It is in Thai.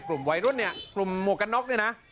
กลุ่มไวรุ่นเนี้ยกลุ่มโมกันน็อคเนี้ยนะ